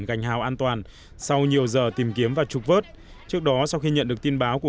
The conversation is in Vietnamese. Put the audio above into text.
gành hào an toàn sau nhiều giờ tìm kiếm và trục vớt trước đó sau khi nhận được tin báo của